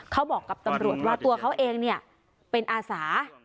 เขาบอกกับตำรวจว่าตัวเขาเองเป็นอาสา